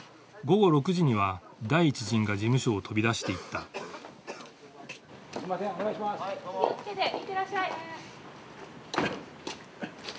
午後６時には第一陣が事務所を飛び出していったすいません。